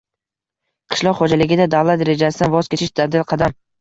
Qishloq xo‘jaligida davlat rejasidan voz kechish — dadil qadam